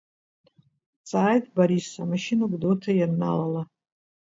Дҵааит Борис, амашьына Гәдоуҭа ианналала.